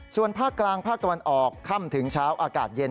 ส่วนภาคกลางภาคตะวันออกค่ำถึงเช้าอากาศเย็น